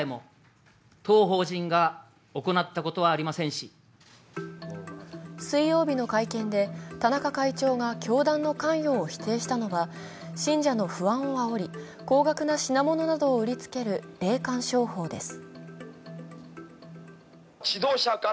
しかし水曜日の会見で、田中会長が教団の関与を否定したのは信者の不安をあおり、高額な品物などを売りつける霊感商法です。